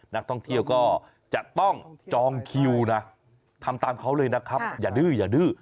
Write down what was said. นักท่องเที่ยวก็จะต้องจองคิวนะทำตามเขาเลยนะครับอย่าดื้ออย่าดื้อ